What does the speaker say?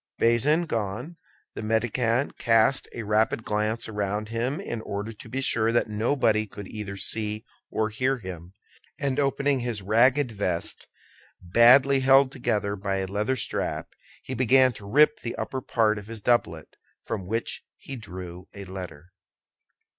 Bazin gone, the mendicant cast a rapid glance around him in order to be sure that nobody could either see or hear him, and opening his ragged vest, badly held together by a leather strap, he began to rip the upper part of his doublet, from which he drew a letter.